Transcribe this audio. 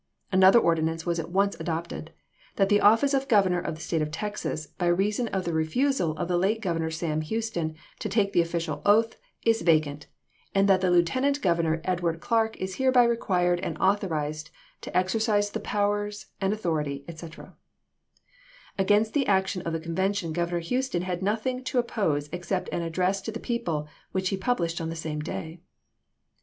Another ordinance was at Mai\28,T86i. once adopted, " That the office of Governor of the State of Texas, by reason of the refusal of the late Governor Sam Houston to take the official oath, is ordinance, vacant ; and that the Lieutenant Governor Edward New York . "Tribune " Clark is hereby required and authorized to exer Mar.so.isei. cise the powers and authority," etc. Against the action of the convention Governor Houston had nothing to oppose except an address to the people, which he published on the same day.